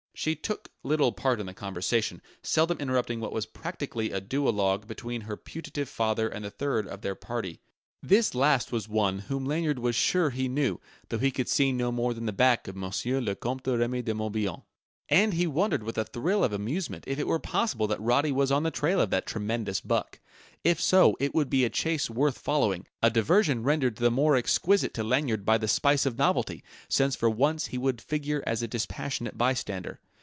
She took little part in the conversation, seldom interrupting what was practically a duologue between her putative father and the third of their party. This last was one, whom Lanyard was sure he knew, though he could see no more than the back of Monsieur le Comte Remy de Morbihan. And he wondered with a thrill of amusement if it were possible that Roddy was on the trail of that tremendous buck. If so, it would be a chase worth following a diversion rendered the more exquisite to Lanyard by the spice of novelty, since for once he would figure as a dispassionate bystander.